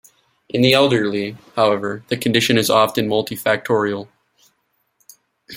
In the elderly, however, the condition is often multifactorial.